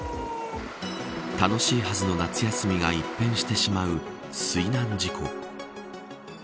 楽しいはずの夏休みが一変してしまう水難事故。